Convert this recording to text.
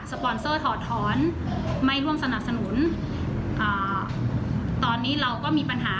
ปอนเซอร์ถอดถอนไม่ร่วมสนับสนุนอ่าตอนนี้เราก็มีปัญหา